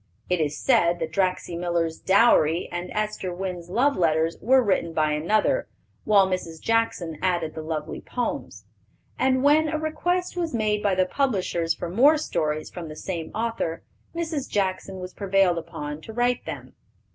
It is said that Draxy Miller's Dowry and Esther Wynn's Love Letters were written by another, while Mrs. Jackson added the lovely poems; and when a request was made by the publishers for more stories from the same author, Mrs. Jackson was prevailed upon to write them.